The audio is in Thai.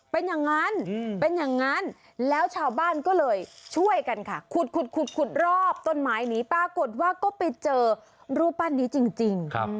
เป็นอย่างนั้นเป็นอย่างนั้นแล้วชาวบ้านก็เลยช่วยกันค่ะขุดขุดรอบต้นไม้นี้ปรากฏว่าก็ไปเจอรูปปั้นนี้จริง